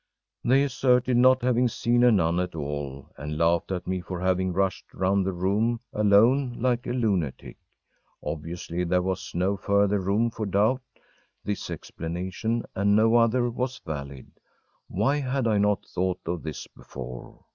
They asserted not having seen a nun at all, and laughed at me for having rushed round the room alone, like a lunatic, Obviously there was no further room for doubt, this explanation and no other was valid. Why had I not thought of this before!